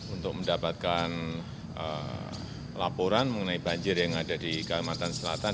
untuk mendapatkan laporan mengenai banjir yang ada di kalimantan selatan